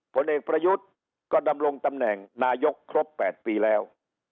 ผลเอกประยุทธ์ก็ดำรงตำแหน่งนายกครบ๘ปีแล้ว